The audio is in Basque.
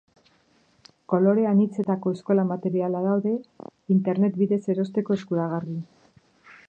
Kolore anitzetako eskola-materiala daude internet bidez erosteko eskuragarri.